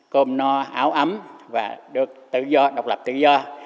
cơm no áo ấm và được tự do độc lập tự do